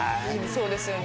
そうですよね。